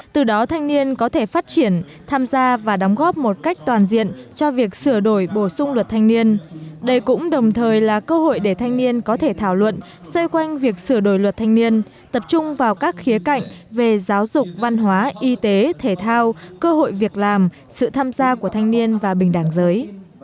từ đó thanh niên có thể phát triển tham gia và đóng góp một cách toàn diện cho việc sửa đổi bổ sung luật thanh niên đây cũng đồng thời là cơ hội để thanh niên có thể thảo luận xoay quanh việc sửa đổi luật thanh niên tập trung vào các khía cạnh về giáo dục văn hóa y tế thể thao cơ hội việc làm sự tham gia của thanh niên và bình đảng giới